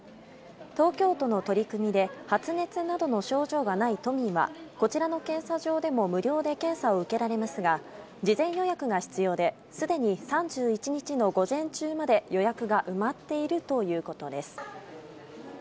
東京都の取り組みで、発熱などの症状がない都民は、こちらの検査場でも無料で検査を受けられますが、事前予約が必要で、すでに３１日の午前中まで予約が埋まっているということです。